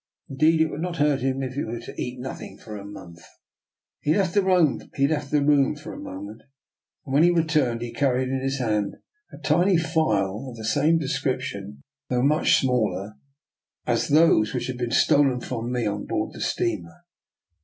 Indeed, it would not hurt him if he were to eat nothing for a month." He left the room for a moment, and when he returned he carried in his hand a tiny phial of the same description, though much smaller, DR. NIKOLA'S EXPERIMENT. 167 as those which had been stolen from me on board the steamer.